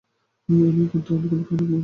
কিন্তু আমি তোমাকে মরতে দিতে পারবোনা।